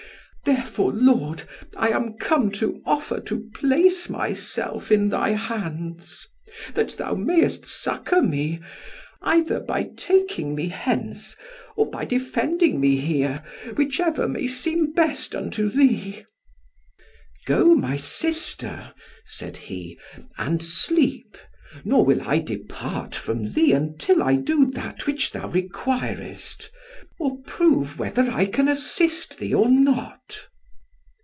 Therefore, lord, I am come to offer to place myself in thy hands, that thou mayest succour me, either by taking me hence, or by defending me here, whichever may seem best unto thee." "Go, my sister," said he, "and sleep; nor will I depart from thee until I do that which thou requirest, or prove whether I can assist thee or not."